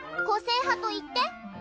個性派と言って。